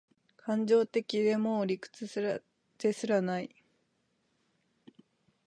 感情的で、もう理屈ですらない